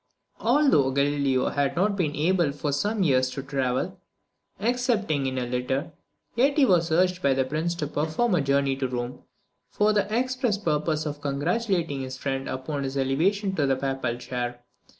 Although Galileo had not been able for some years to travel, excepting in a litter, yet he was urged by the Prince to perform a journey to Rome, for the express purpose of congratulating his friend upon his elevation to the papal chair.